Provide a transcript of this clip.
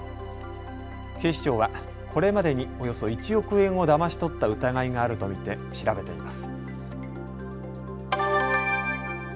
警視庁は、これまでにおよそ１億円をだまし取った疑いがあると見て調べています。